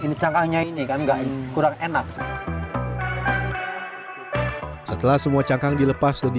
iya ini cangkangnya ini